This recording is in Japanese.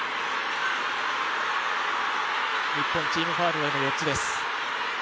日本チームファウルが今４つです。